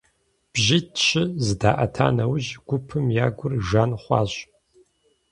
БжьитӀ-щы зэдаӀэта нэужь, гупым я гур жан хъуащ.